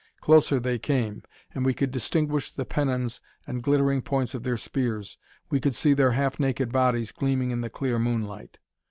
Closer they came, and we could distinguish the pennons and glittering points of their spears. We could see their half naked bodies gleaming in the clear moonlight.